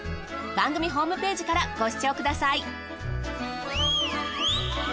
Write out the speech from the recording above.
番組ホームページからご視聴ください。